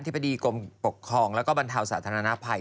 อธิบดีกรมปกครองและบรรเทาสาธารณภัย